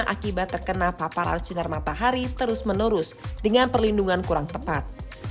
akibat terkena paparan sinar matahari terus menerus dengan perlindungan kurang tepat